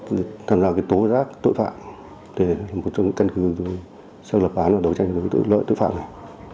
để một trong những căn cứ xây dựng lập án và đấu tranh đối với tội phạm này